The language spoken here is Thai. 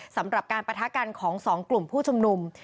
สำหรับการปะทะกันของสองกลุ่มผู้ชุมนุม